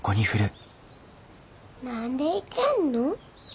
何でいけんの？